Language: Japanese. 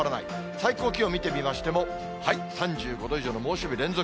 最高気温見てみましても、３５度以上の猛暑日連続。